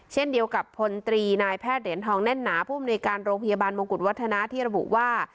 เช่นเดียวกับพลตรีนายแพทย์เหรียญทองแน่นหนาผู้อำนวยการโรงพยาบาลมงกุฎวัฒนาที่ระบุว่า